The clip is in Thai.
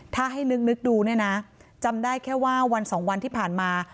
ถ้าให้ลึกดูเนี่ยนะจำได้แค่ว่าวันสองวันที่ผ่านมา